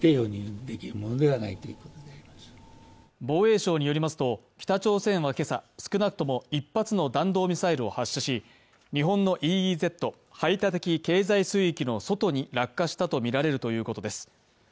防衛省によりますと北朝鮮は今朝、少なくとも１発の弾道ミサイルを発射し、日本のＥＥＺ＝排他的経済水域の外に落下したとみられるということです。